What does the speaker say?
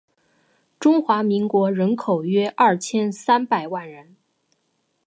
中华民国人口约二千三百万人